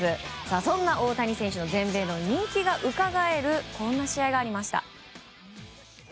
そんな大谷選手の全米での人気がうかがえるこんな試合がありました。